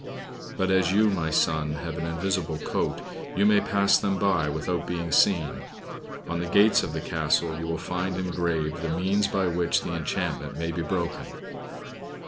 But as you, my son, have an invisible coat, you may pass them by without being seen. On the gates of the castle you will find engraved the means by which the enchantment may be broken."